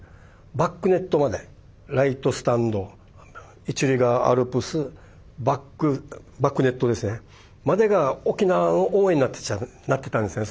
バックネットまでライトスタンド１塁側アルプスバックネットですねまでが沖縄の応援になってたんですね